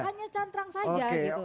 hanya cantrang saja gitu